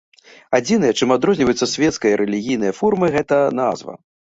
Адзінае, чым адрозніваюцца свецкая і рэлігійная формы, гэта назва.